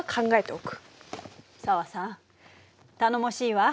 紗和さん頼もしいわ。